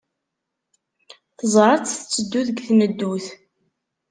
Teẓra-tt tetteddu deg tneddut.